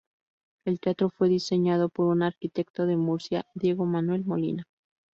El teatro fue diseñado por un arquitecto de Murcia, Diego Manuel Molina.